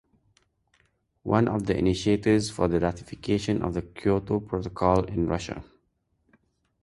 One of the initiators for the ratification of the Kyoto Protocol in Russia.